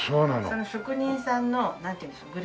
その職人さんのなんていうんでしょう？